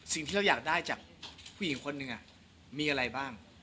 สิ่งที่เราอยากได้จากผู้หญิงคนหนึ่งมีอะไรบ้าง